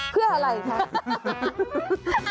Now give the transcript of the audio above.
เพื่ออะไรคะ